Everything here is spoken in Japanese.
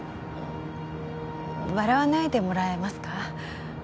笑わないでもらえますか？